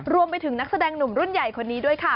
รวมไปถึงนักแสดงหนุ่มรุ่นใหญ่คนนี้ด้วยค่ะ